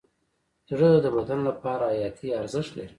زړه د بدن لپاره حیاتي ارزښت لري.